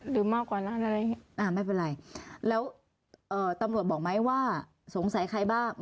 มากกว่านั้นอะไรอย่างนี้ไม่เป็นไรแล้วเอ่อตำรวจบอกไหมว่าสงสัยใครบ้าง